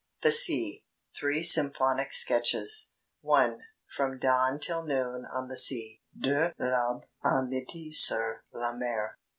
"THE SEA," THREE SYMPHONIC SKETCHES 1. FROM DAWN TILL NOON ON THE SEA (De l'aube à midi sur la mer) 2.